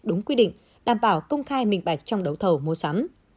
đúng quy định đảm bảo công khai minh bạch trong đấu thầu mua sắm